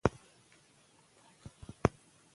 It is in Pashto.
په دې سندره کې تاکېدي جملې ډېرې لیدل کېږي.